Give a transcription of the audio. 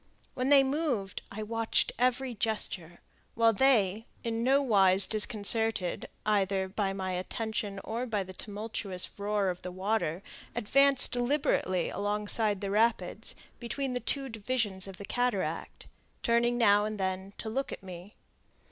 When they moved I watched every gesture, while they, in no wise disconcerted either by my attention or by the tumultuous roar of the water, advanced deliberately alongside the rapids, between the two divisions of the cataract, turning now and then to look at me.